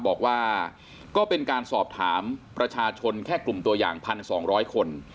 บอกว่าก็เป็นการสอบถามประชาชนแค่กลุ่มตัวอย่าง๑๒๐๐คน